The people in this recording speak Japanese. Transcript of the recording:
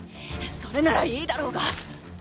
それならいいだろうが。